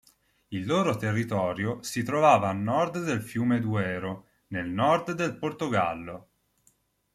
Il loro territorio si trovava a nord del fiume Duero, nel nord del Portogallo.